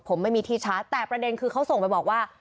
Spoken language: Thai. ผมไม่มีที่ชาร์จแต่ประเด็นคือเขาส่งไปบอกว่า